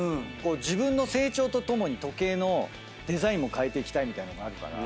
自分の成長とともに時計のデザインも変えていきたいみたいのがあるから。